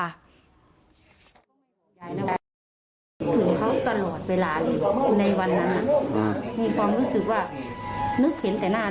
แม่เสียใจเหมือนกันว่าน้องจมน้ำลูกสาวจมน้ำนะ